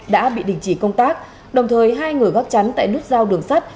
đã bị đình chỉ công tác đồng thời hai người gác chắn tại nút giao đường sắt